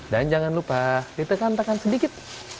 dan jangan lupa ditekan tekan sedikit